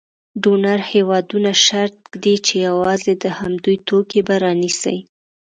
ډونر هېوادونه شرط ږدي چې یوازې د همدوی توکي به رانیسي.